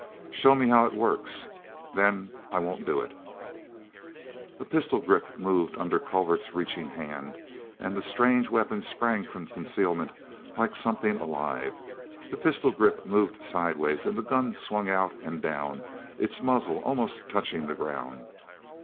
"Show me how it works, then I won't do it." pistol grip moved under Culver's reaching hand and the strange weapon sprang from concealment like something alive. The pistol grip moved sideways, and the gun swung out and down, its muzzle almost touching the ground.